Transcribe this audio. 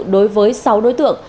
đối với sáu đối tượng